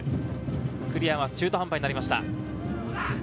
クリアは中途半端になりました。